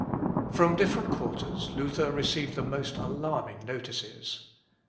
From different quarters Luther received the most alarming notices.